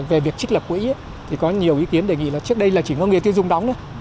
về việc trích lập quỹ thì có nhiều ý kiến đề nghị là trước đây là chỉ có người tiêu dùng đóng nữa